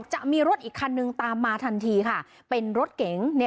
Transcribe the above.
จะมีรถอีกคันนึงตามมาทันทีค่ะเป็นรถเก๋ง